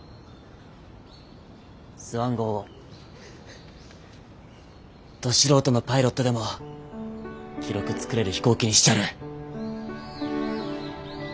スワン号をど素人のパイロットでも記録作れる飛行機にしちゃる。